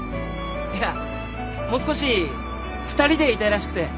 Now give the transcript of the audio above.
いやもう少し２人でいたいらしくて。